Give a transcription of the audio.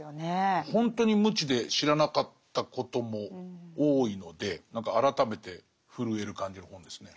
ほんとに無知で知らなかったことも多いので何か改めて震える感じの本ですね。